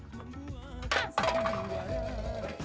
mau usaha kok